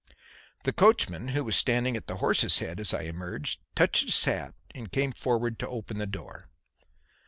The coachman, who was standing at the horse's head as I emerged, touched his hat and came forward to open the door.